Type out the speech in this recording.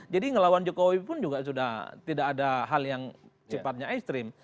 jadi ngelawan jokowi pun juga sudah tidak ada hal yang sifatnya ekstrim